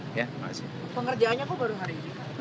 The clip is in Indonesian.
pekerjaannya kok baru hari ini